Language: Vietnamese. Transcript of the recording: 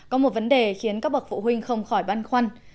có một vấn đề khiến các bậc phụ huynh không khỏi băn khoăn